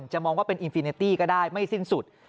มองว่าเป็นอินฟิเนตี้ก็ได้ไม่สิ้นสุด